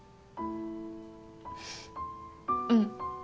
うん。